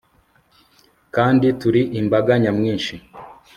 kandi turi imbaga nyamwinshi